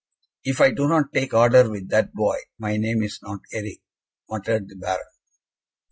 "If I do not take order with that boy, my name is not Eric," muttered the Baron.